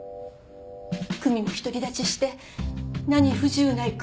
久美も独り立ちして何不自由ない暮らしができて